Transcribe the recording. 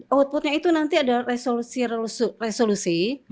outputnya itu nanti ada resolusi resolusi